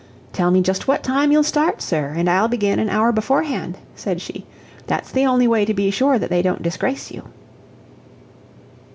"Tell me just what time you'll start, sir, and I'll begin an hour beforehand," said she. "That's the only way to be sure that they don't disgrace you."